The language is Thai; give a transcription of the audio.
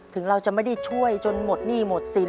ถึงเราจะไม่ได้ช่วยจนหมดหนี้หมดสิน